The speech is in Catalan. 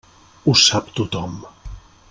Ho sap tothom.